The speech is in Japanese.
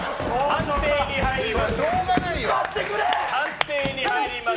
判定に入ります。